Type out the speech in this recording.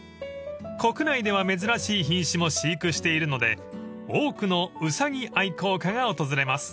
［国内では珍しい品種も飼育しているので多くのウサギ愛好家が訪れます］